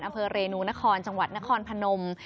อำเภอเรนูนครจังหวัดนครพนม